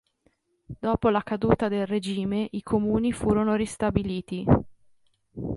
Dopo la caduta del regime, i comuni furono ristabiliti.